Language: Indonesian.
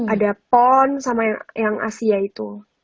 ada pon sama yang asia itu